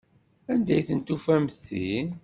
Anda ay d-tufamt ti?